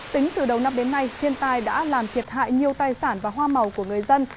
tính từ đầu năm đến nay thiên tai đã làm thiệt hại nhiều tài sản và hoa màu của người dân